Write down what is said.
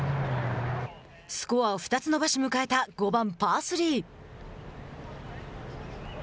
スコアを２つ伸ばし迎えた５番パー３。